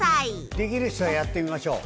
できる人はやってみましょう。